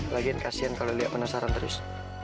lagian kasihan kalau lia penasaran terus